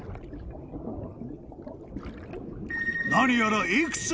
［何やら］